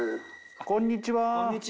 こんにちは。